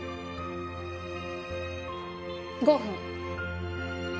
５分。